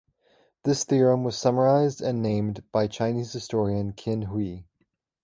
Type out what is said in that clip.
This theorem was summarized and named by the Chinese historian Qin Hui.